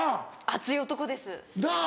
熱い男です。なぁ